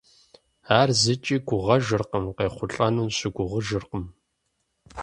Ар зыкӏи гугъэжыркъым, къехъулӀэну щыгугъыжыркъым.